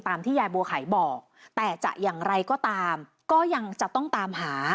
ที่ยายบัวไข่บอกแต่จะอย่างไรก็ตามก็ยังจะต้องตามหา